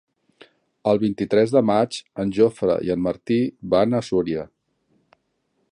El vint-i-tres de maig en Jofre i en Martí van a Súria.